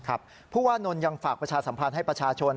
เพราะว่านนท์ยังฝากประชาสัมพันธ์ให้ประชาชน